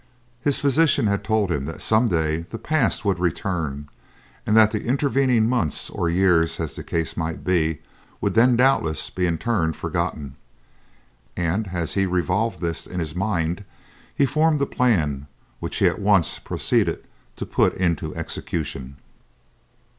His physician had told him that some day the past would return, and that the intervening months or years as the case might be, would then doubtless be in turn forgotten, and as he revolved this in his mind he formed a plan which he at once proceeded to put into execution.